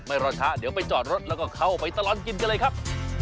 รอช้าเดี๋ยวไปจอดรถแล้วก็เข้าไปตลอดกินกันเลยครับ